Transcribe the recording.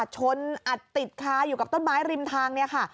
ชนอัดติดคาอยู่กับต้นไม้ริมทางเนี่ยค่ะ